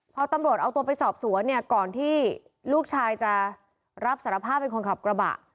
พอตำรวจเอาตัวไปสอบสวนเนี่ยก่อนที่ลูกชายจะรับสารภาพเป็นคนขับกระบะ